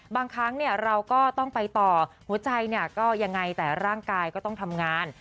บางครั้งเราก็ต้องไปต่อหัวใจเนี่ยก็ยังไงแต่ร่างกายก็ต้องทำงาน